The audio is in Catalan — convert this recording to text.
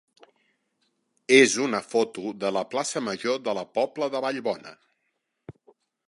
és una foto de la plaça major de la Pobla de Vallbona.